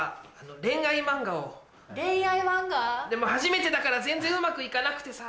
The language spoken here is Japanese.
恋愛漫画？でも初めてだから全然うまく行かなくてさ。